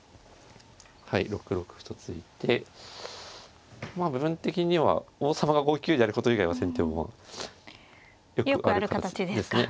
はい６六歩と突いてまあ部分的には王様が５九であること以外は先手もよくある形ですね。